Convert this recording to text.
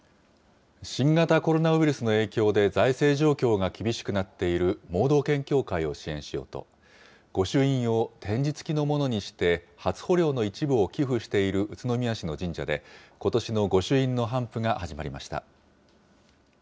新型コロナウイルスの影響で財政状況が厳しくなっている盲導犬協会を支援しようと、御朱印を点字付きのものにして初穂料の一部を寄付している宇都宮市の神社で、ことしの御朱印の頒布が始まりました。